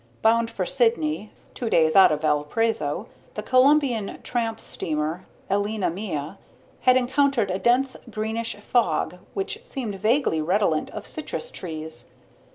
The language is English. Bound for Sydney, two days out of Valparaiso, the Colombian tramp steamer Elena Mia had encountered a dense greenish fog which seemed vaguely redolent of citrus trees.